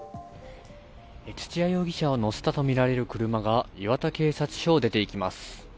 土屋容疑者を乗せたとみられる車が磐田警察署を出ていきます。